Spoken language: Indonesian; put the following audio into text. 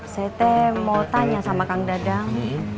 ct mau tanya sama kang dadang